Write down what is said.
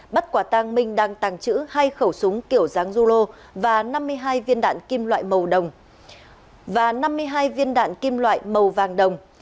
bắt quả tang minh đăng tàng trữ hai khẩu súng kiểu giáng zulo và năm mươi hai viên đạn kim loại màu đồng